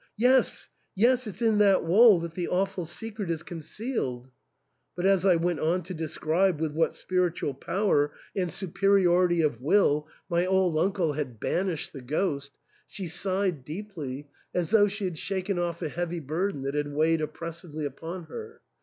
Yes, yes, it*s in that wall that the awful secret is concealed !" But as I went on to describe with what spiritual power and superiority THE ENTAIL. 257 of will my old uncle had banished the ghost, she sighed deeply, as though she had shaken off a heavy burden that had weighed oppressively upon her.